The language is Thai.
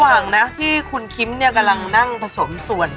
ระหว่างที่คุณคิมกำลังนั่งผสมส่วน